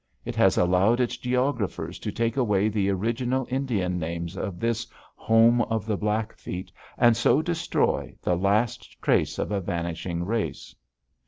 It has allowed its geographers to take away the original Indian names of this home of the Blackfeet and so destroy the last trace of a vanishing race.